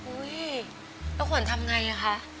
อุ้ยแล้วขวัญทำยังไงอะคะ